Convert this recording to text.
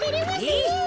えっ？